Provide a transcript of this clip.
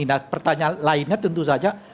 nah pertanyaan lainnya tentu saja